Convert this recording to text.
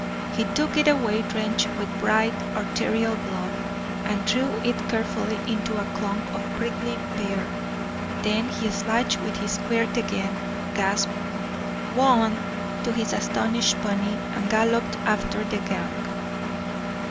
He took it away drenched with bright, arterial blood, and threw it carefully into a clump of prickly pear. Then he slashed with his quirt again, gasped "G'wan" to his astonished pony, and galloped after the gang.